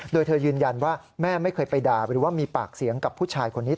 โดยเธอยืนยันว่าแม่ไม่เคยไปด่าหรือว่ามีปากเสียงกับผู้ชายคนนี้